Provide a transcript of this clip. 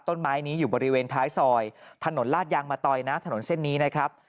ต้นไม้นี้อยู่บริเวณท้ายซอยถนนลาดยางมะตอยนะถนนเส้นนี้นะครับ